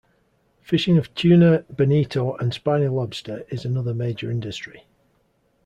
Fishing of tuna, bonito, and spiny lobster is another major industry.